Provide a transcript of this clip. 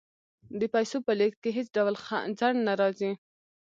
د پیسو په لیږد کې هیڅ ډول ځنډ نه راځي.